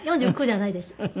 ４９じゃないです。